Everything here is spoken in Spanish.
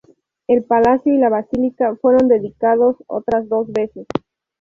El palacio y la basílica fueron dedicados otras dos veces.